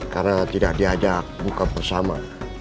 karena tidak diajak buka bersama